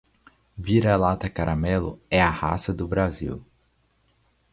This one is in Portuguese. Vira-lata caramelo é a raça do Brasil